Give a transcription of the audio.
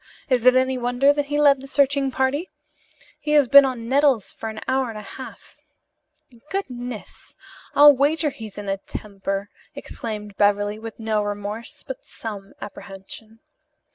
Is it any wonder that he led the searching party? He has been on nettles for an hour and a half." "Goodness, I'll wager he's in a temper!" exclaimed Beverly, with no remorse, but some apprehension.